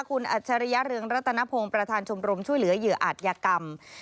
คุณอัจฉริยะเรืองรัตนพงศ์ประธานชมรมช่วยเหลือเหยื่ออาจยกรรม